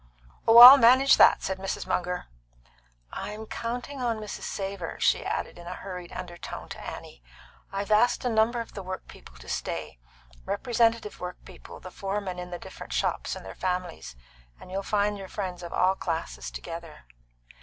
"Oh, I'll manage that," said Mrs. Munger. "I'm counting on Mrs. Savor." She added in a hurried undertone to Annie: "I've asked a number of the workpeople to stay representative workpeople, the foremen in the different shops and their families and you'll find your friends of all classes together.